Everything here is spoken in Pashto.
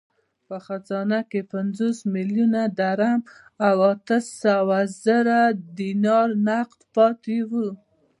په خزانه کې پنځوس میلیونه درم او اته سوه زره دیناره نغد پاته وو.